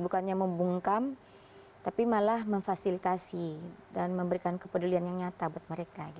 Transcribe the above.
bukannya membungkam tapi malah memfasilitasi dan memberikan kepedulian yang nyata buat mereka